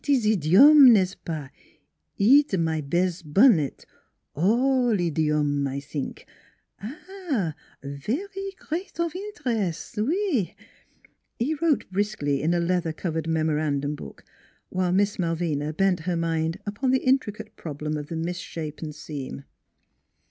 "" It ees idiome! n'est ce pas? * Eat my bes' 136 NEIGHBORS bunnit?' All idiomef I sink. Ah, vary great of interes' oui! " He wrote briskly in a leather covered memo randum book, while Miss Malvina bent her mind upon the intricate problem of the misshapen seam.